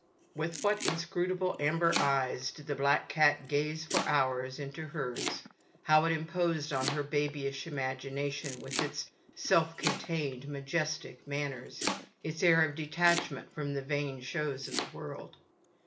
With what inscruta ble amber eyes did the black cat gaze for hours into hers: how it imposed on her babyish imagination with its self contained, majestic manners, its air of detachment from the vain shows of the world